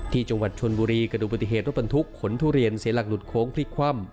ที่จังหวัดชนบุรีกระดูกปฏิเหตุรถบรรทุกขนทุเรียนเสียหลักหลุดโค้งพลิกคว่ำ